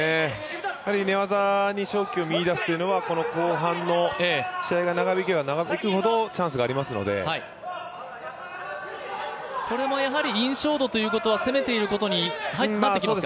寝技に勝機を見いだすというのは、この後半の試合が長引けば長引くほどこれも印象度ということは攻めていることに入っていきますか？